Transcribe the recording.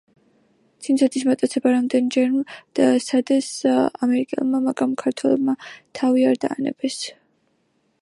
ცინცაძის მოტაცება რამდენიმეჯერ სცადეს ამერიკელებმა, მაგრამ ქართველებმა თავი არ დაანებეს.